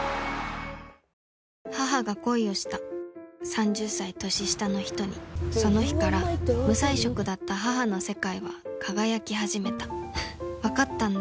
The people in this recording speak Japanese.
３０歳年下の人にその日から無彩色だった母の世界は輝き始めた分かったんだ。